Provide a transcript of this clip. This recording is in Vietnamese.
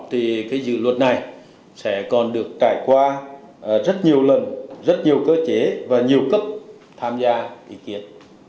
thì cái dự luật này sẽ còn được trải qua rất nhiều lần rất nhiều cơ chế và nhiều cấp tham gia ý kiến